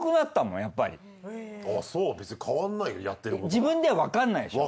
自分ではわかんないでしょ？